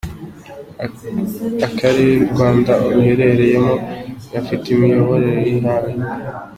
Akarereu Rwanda ruherereyemo, gafite imiyoborere ihamye.